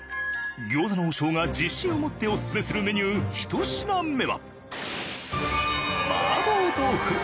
餃子の王将が自信を持ってオススメするメニュー１品目は。